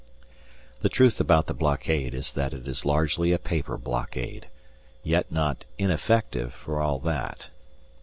The truth about the blockade is that it is largely a paper blockade, yet not ineffective for all that.